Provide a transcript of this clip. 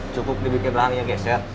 cukup dibikin belakangnya geser